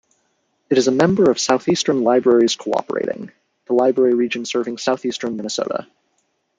It is a member of Southeastern Libraries Cooperating, the library region serving southeastern Minnesota.